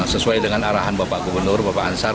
sesuai dengan arahan bapak gubernur bapak ansar